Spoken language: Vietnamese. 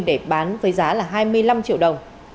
để bán với giá hai mươi năm triệu đồng